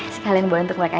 sekalian bawa untuk mereka